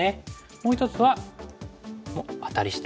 もう一つはアタリして。